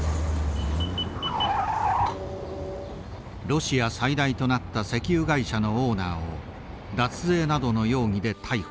ロシア最大となった石油会社のオーナーを脱税などの容疑で逮捕。